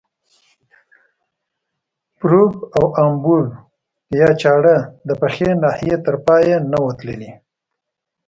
پروب او انبور یا چاړه د یخې ناحیې تر پایه نه وه تللې.